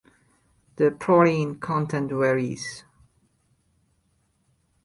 The protein content varies.